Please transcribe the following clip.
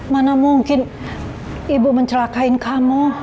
mana mungkin ibu mencelakain kamu